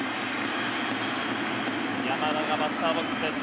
山田がバッターボックスです。